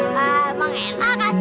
nih bu enggak